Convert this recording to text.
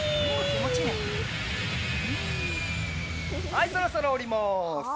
はいそろそろおります。